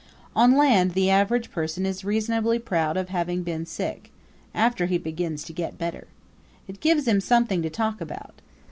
On land the average person is reasonably proud of having been sick after he begins to get better. It gives him something to talk about.